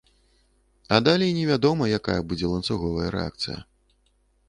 А далей невядома, якая будзе ланцуговая рэакцыя.